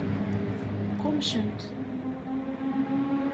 Qqummcent.